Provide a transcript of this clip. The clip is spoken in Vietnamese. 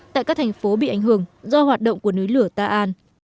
tại các thành phố bị ảnh hưởng do hoạt động của núi lửa ta an